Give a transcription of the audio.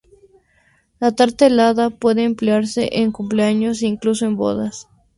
La tarta helada puede emplearse en cumpleaños e incluso en bodas.